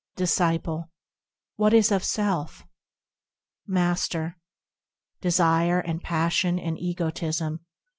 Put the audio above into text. Disciple. What is of self ? Master. Desire and passion and egotism.